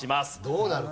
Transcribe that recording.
どうなる？